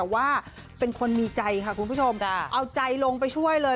ว่าเป็นคนมีใจค่ะคุณผู้ชมเอาใจลงไปช่วยเลย